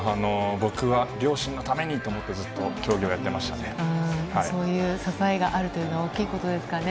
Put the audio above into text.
僕は両親のためにと思って、そういう支えがあるというのは大きいことですかね。